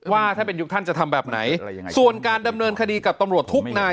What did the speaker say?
ว่าถ้าเป็นยุคท่านจะทำแบบไหนส่วนการดำเนินคดีกับตำรวจทุกนาย